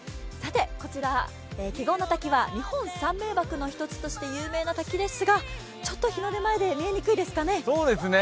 こちら、華厳の滝は日本三名瀑の一つとして有名な滝ですがちょっと日の出前で見えにくいですかね。